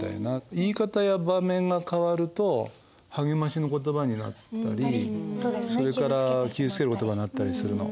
言い方や場面が変わると励ましの言葉になったりそれから傷つける言葉になったりするの。